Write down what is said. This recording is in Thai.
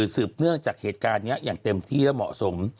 สืบเนื่องจากเหตุการณ์นี้อย่างเต็มที่และเหมาะสม